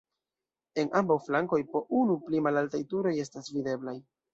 En ambaŭ flankoj po unu pli malaltaj turoj estas videblaj.